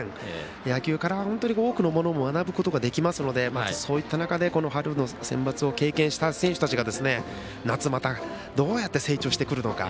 野球から本当に多くのことを学ぶことができますのでそういった中で春のセンバツを経験した選手が夏に、またどうやって成長してくるのか。